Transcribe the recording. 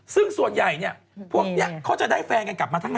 ซึ่งส่วนใหญ่เนี่ยพวกนี้เขาจะได้แฟนกันกลับมาทั้งนั้น